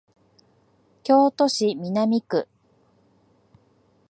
京都市南区